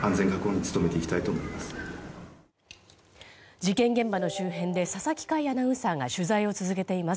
事件現場の周辺で佐々木快アナウンサーが取材を続けています。